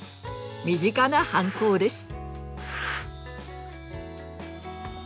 身近な反抗です。